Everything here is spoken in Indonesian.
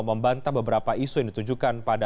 membantah beberapa isu yang ditujukan pada